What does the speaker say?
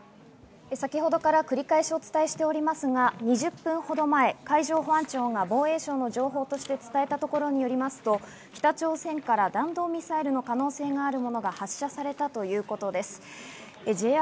先ほどから繰り返しお伝えしておりますが、２０分程前、海上保安庁が防衛省の情報として伝えたところによりますと、北朝鮮から弾道ミサイルの可能性があるものが発射されたということです。